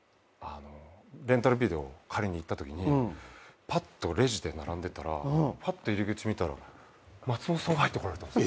レンタルビデオ借りにいったときにレジで並んでたら入り口見たら松本さん入ってこられたんです。